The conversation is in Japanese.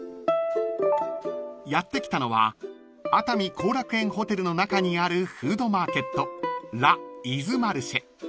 ［やって来たのは熱海後楽園ホテルの中にあるフードマーケット］